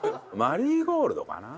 マリーゴールドかな？